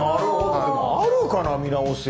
でもあるかな見直すやつ。